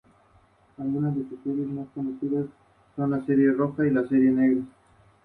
Este pinzón es conocido como capuchino de cabeza negra.